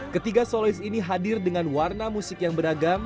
ketiga solois ini hadir dengan warna musik yang beragam